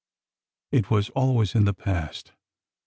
It was al ways in the past.